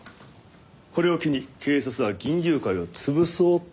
これを機に警察は銀龍会を潰そうって事だな。